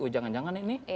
oh jangan jangan ini